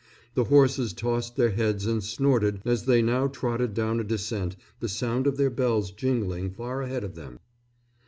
The horses tossed their heads and snorted as they now trotted down a descent, the sound of their bells jingling far ahead of them.